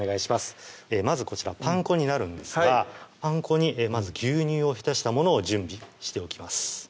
まずこちらパン粉になるんですがパン粉にまず牛乳を浸したものを準備しておきます